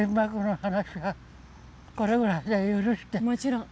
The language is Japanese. もちろん。